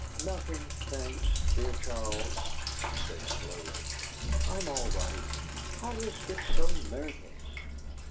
"Nothing, thanks, dear Charles," she said slowly. "I'm all right. Horace gets so nervous!"